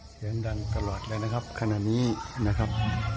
เสียงดังตลอดเลยนะครับขณะนี้นะครับ